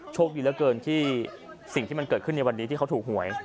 โชคดีเหลือเกินที่สิ่งที่มันเกิดขึ้นในวันนี้ที่เขาถูกหวย